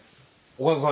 岡田さん